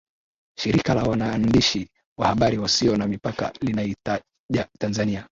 Shirika la waandishi wa habari wasio na mipaka linaitaja Tanzania